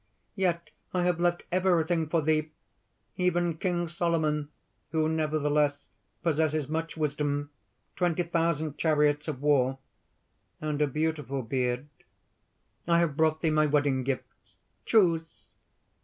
Yet I have left everything for thee even King Solomon, who, nevertheless, possesses much wisdom, twenty thousand chariots of war, and a beautiful beard. I have brought thee my wedding gifts. Choose!"